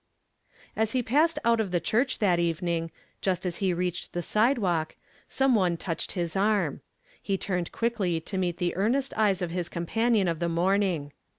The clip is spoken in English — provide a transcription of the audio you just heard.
As he passed out of the churcli that evening, just as he reached the sidewalk, some one touclied his arm. He turned (piiekly to meet the earnest eyes of his companion of the morning.